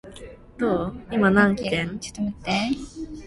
默書一百分